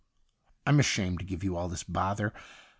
' I'm ashamed to give you all this bother.